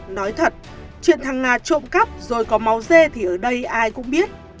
nói thật chuyện thằng nga trộm cắp rồi có máu dê thì ở đây ai cũng biết